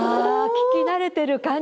聞き慣れてる感じです